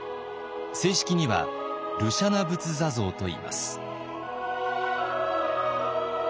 正式には盧舎那仏坐像といいます。